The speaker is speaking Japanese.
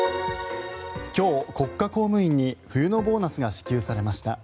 今日、国家公務員に冬のボーナスが支給されました。